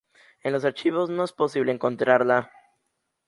En los archivos no es posible encontrarla.